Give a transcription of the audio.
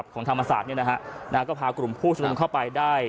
ของธรรมศาสตร์เนี่ยนะฮะก็พากลุ่มผู้ชมนุมเข้าไปได้